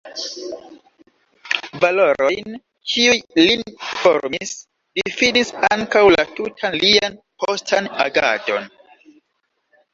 Valorojn, kiuj lin formis, difinis ankaŭ la tutan lian postan agadon.